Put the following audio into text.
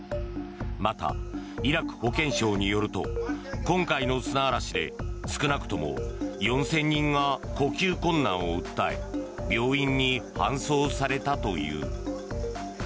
また、イラク保健省によると今回の砂嵐で少なくとも４０００人が呼吸困難を訴え病院に搬送されたという。